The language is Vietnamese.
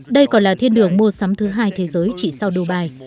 đây còn là thiên đường mua sắm thứ hai thế giới chỉ sau dubai